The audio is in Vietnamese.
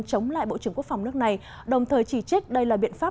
chống lại bộ trưởng quốc phòng nước này đồng thời chỉ trích đây là biện pháp